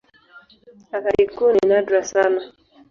Athari kuu ni nadra sana.